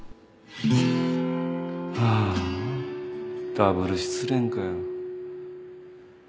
ダブル失恋かよ。